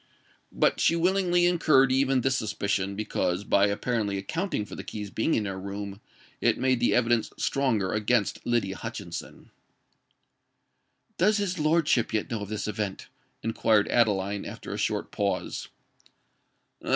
But she willingly incurred even this suspicion, because, by apparently accounting for the keys being in her room, it made the evidence stronger against Lydia Hutchinson. "Does his lordship yet know of this event?" inquired Adeline, after a short pause.